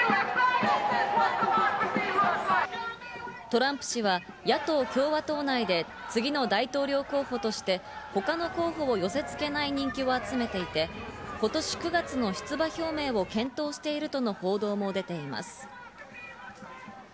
トランプ氏は野党・共和党内で次の大統領候補として、他の候補を寄せ付けない人気を集めていて、今年９月の出馬表明を検討しているとの報道も出ています。